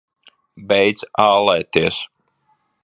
Beidz ālēties!